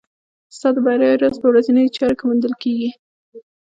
ستا د بریا راز په ورځنیو چارو کې موندل کېږي.